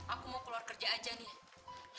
aku mau keluar kerja aja nih